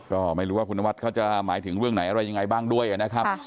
ก็ไม่รู้ว่าคุณนวัดเขาจะหมายถึงเรื่องไหนอะไรยังไงบ้างด้วยนะครับ